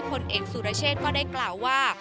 ผลเอกสุรเชษฐก็ได้กล่าวว่า